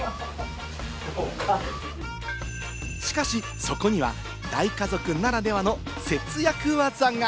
しかしそこには大家族ならではの節約技が。